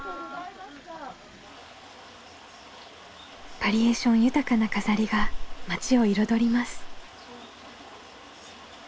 バリエーション豊かな飾りが町を彩ります。